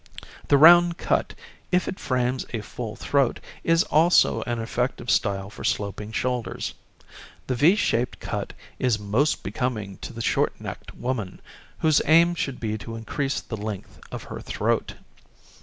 The round cut, if it frames a full throat, is also an effective style for sloping shoulders. The V shaped cut is most becoming to the short necked woman, whose aim should be to increase the length of her throat.